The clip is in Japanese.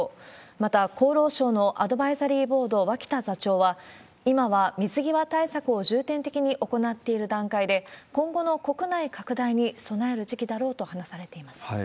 また、厚労省のアドバイザリーボード、脇田座長は、今は水際対策を重点的に行っている段階で、今後の国内拡大に備える時期だろうと話されています。